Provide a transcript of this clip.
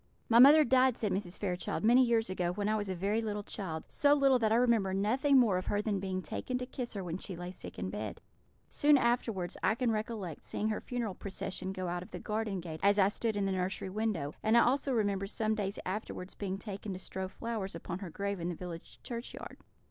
"My mother died," said Mrs. Fairchild, "many years ago, when I was a very little child so little that I remember nothing more of her than being taken to kiss her when she lay sick in bed. Soon afterwards I can recollect seeing her funeral procession go out of the garden gate as I stood in the nursery window; and I also remember some days afterwards being taken to strew flowers upon her grave in the village churchyard.